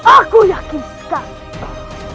aku yakin sekali